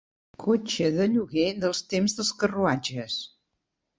Cotxe de lloguer dels temps dels carruatges.